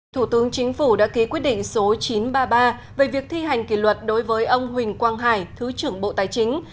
thủ tướng chính phủ đã ký quyết định số chín trăm ba mươi ba về việc thi hành kỷ luật đối với ông huỳnh quang hải thứ trưởng bộ tài chính